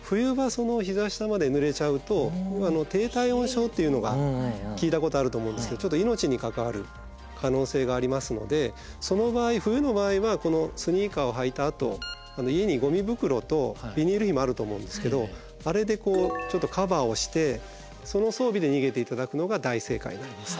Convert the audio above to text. そのひざ下までぬれちゃうと低体温症というのが聞いたことあると思うんですけどちょっと命に関わる可能性がありますのでその場合冬の場合はこのスニーカーを履いたあと家にごみ袋とビニールひもあると思うんですけどあれでちょっとカバーをしてその装備で逃げて頂くのが大正解になります。